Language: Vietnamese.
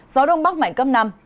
gió đông bắc mạnh cấp năm